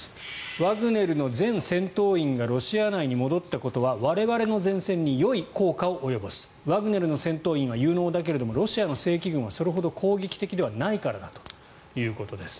ワグネルの全戦闘員がロシア内に戻ったことは我々の前線によい効果を及ぼすワグネルの戦闘員は有能だけれどもロシアの正規軍はそれほど攻撃的ではないからだということです。